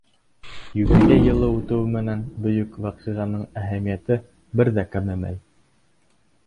Юбилей йылы үтеү менән бөйөк ваҡиғаның әһәмиәте бер ҙә кәмемәй.